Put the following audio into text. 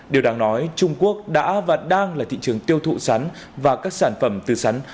điều đáng nói trung quốc đã và đang là thị trường tiêu thụ sắn và các sản phẩm từ sắn